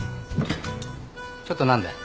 ちょっと何だよ。